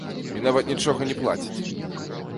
І нават нічога не плаціць.